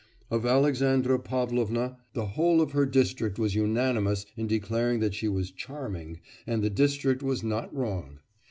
Of Alexandra Pavlovna the whole of her district was unanimous in declaring that she was charming, and the district was not wrong.